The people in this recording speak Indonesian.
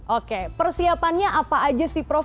oke persiapannya apa aja sih prof